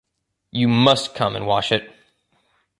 You must come and wash it.